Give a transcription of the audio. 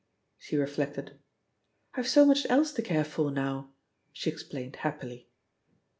She reflected. "I've so much else to care for now," she explained happily.